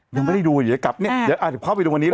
ยังไม่ได้ดูอยู่เดี๋ยวกลับเนี่ยเดี๋ยวอาจจะเข้าไปดูวันนี้เลย